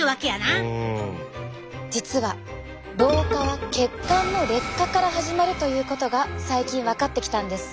実は老化は血管の劣化から始まるということが最近分かってきたんです。